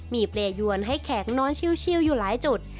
มีเปรยวนให้แข็งนอนชิวอยู่หลายจุด